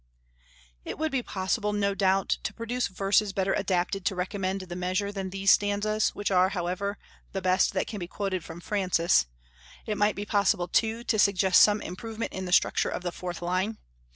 It would be possible, no doubt, to produce verses better adapted to recommend the measure than these stanzas, which are, however, the best that can be quoted from Francis; it might be possible, too, to suggest some improvement in the structure of the fourth line.